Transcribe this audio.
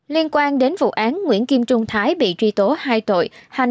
liên quan đến vụ án nguyễn kim trung thái bị truy tố hai tội